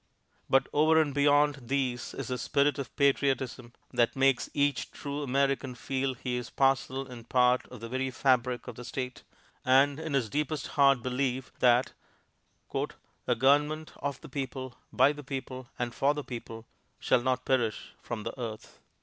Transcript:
But over and beyond these is the spirit of patriotism that makes each true American feel he is parcel and part of the very fabric of the State, and in his deepest heart believe that "a government of the people, by the people, and for the people shall not perish from the earth."